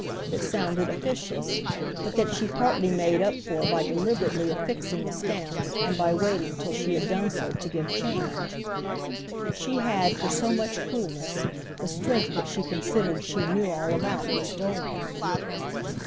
that sounded officious, but that she partly made up for by deliberately affixing the stamps and by waiting till she had done so to give change. She had, for so much coolness, the strength that she considered she knew all about Miss Dolman.